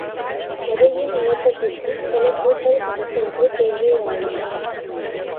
கதையின் இயக்கத்திற்குச் சில கூட்டல் கழித்தல்கள் தேவையாயின.